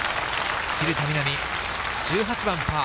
蛭田みな美、１８番パー。